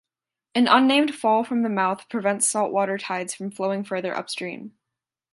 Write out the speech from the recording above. An unnamed fall from the mouth prevents saltwater tides from flowing further upstream.